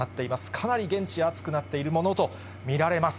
かなり現地、暑くなっているものと見られます。